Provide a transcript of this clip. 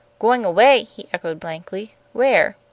"Going away!" he echoed, blankly, "Where?"